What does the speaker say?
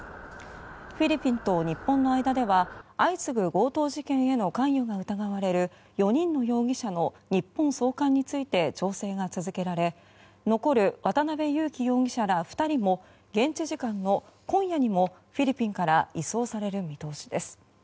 フィリピンと日本の間では相次ぐ強盗事件への関与が疑われる４人の容疑者の日本送還について調整が続けられ残る渡邉優樹容疑者ら２人も現地時間の今夜にもフィリピンから移送される見通しです。